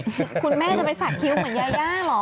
คุณแม่จะไปสักคิ้วเหมือนยายาเหรอ